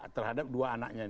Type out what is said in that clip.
terhadap dua anaknya ini